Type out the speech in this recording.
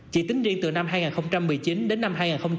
chỉ tính riêng từ năm hai nghìn một mươi chín đến năm hai nghìn hai mươi